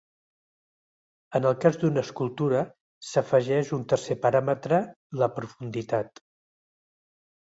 En el cas d'una escultura s'afegeix un tercer paràmetre la profunditat.